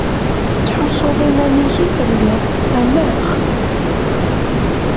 Tettḥussuḍ iman-ik i telliḍ, anaɣ?